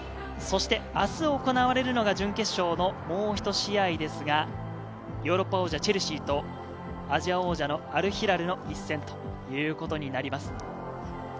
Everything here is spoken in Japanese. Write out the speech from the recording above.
そして明日行われるのが準決勝のもうひと試合ですが、ヨーロッパ王者チェルシーと、アジア王者のアルヒラルの一戦ということになります。